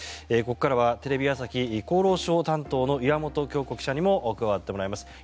ここからはテレビ朝日厚労省担当の岩本京子記者にも加わってもらいます。